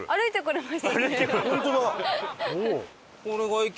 ホントだ。